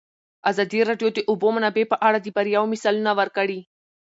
ازادي راډیو د د اوبو منابع په اړه د بریاوو مثالونه ورکړي.